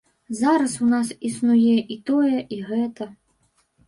Зараз у нас існуе і тое, і гэта.